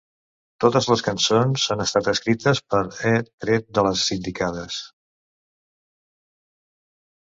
Totes les cançons ha estat escrites per E, tret de les indicades.